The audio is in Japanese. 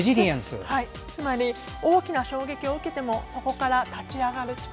つまり、大きな衝撃を受けてもそこから立ち上がる力。